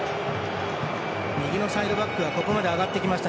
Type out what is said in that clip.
右のサイドバックはここまで上がってきました。